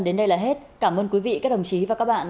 đến đây là hết cảm ơn quý vị các đồng chí và các bạn